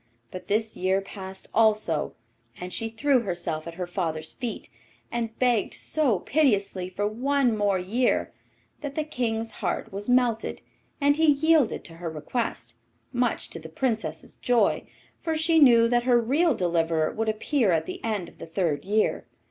But this year passed also, and she threw herself at her father's feet, and begged so piteously for one more year that the King's heart was melted, and he yielded to her request, much to the Princess's joy, for she knew that her real deliverer would appear at the end of the third year.